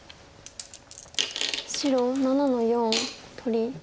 白７の四取り。